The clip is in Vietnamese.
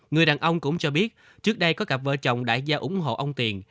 người đàn ông cũng cho biết trước đây có cặp vợ chồng đại gia ủng hộ ông tiền